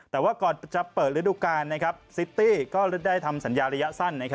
แต่ว่าก่อนจะเปิดฤดูกาลซิตี้ก็ได้ทำสัญญาระยะสั้น